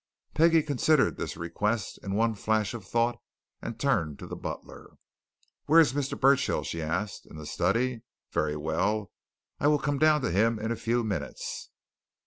Peggie considered this request in one flash of thought, and turned to the butler. "Where is Mr. Burchill?" she asked. "In the study? Very well, I will come down to him in a few minutes."